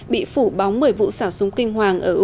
bị phủ bóng bởi vụ xả súng kinh hoàng ở utrecht